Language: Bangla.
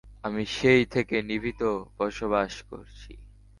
আমি সেই থেকে নিভৃতে বসবাস করছি।